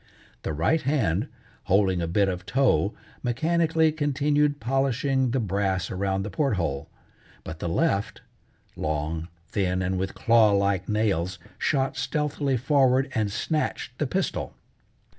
The right hand, holding a bit of tow, mechanically continued polishing the brass around the port hole, but the left long, thin, and with claw like nails, shot stealthily forward and snatched the pistol.